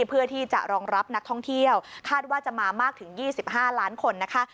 เพื่อที่จะรองรับนักท่องเที่ยวคาดว่าจะมามากถึง๒๕ล้านคนนะคะ